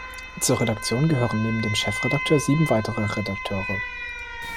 Zur Redaktion gehören neben dem Chefredakteur sieben weitere Redakteure.